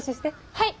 はい！